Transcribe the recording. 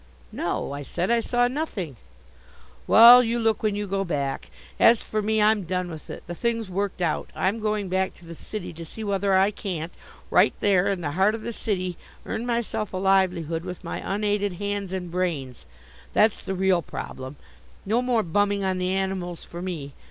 "No," I said. "I saw nothing." "Well, you look when you go back. As for me, I'm done with it. The thing's worked out. I'm going back to the city to see whether I can't, right there in the heart of the city, earn myself a livelihood with my unaided hands and brains. That's the real problem; no more bumming on the animals for me.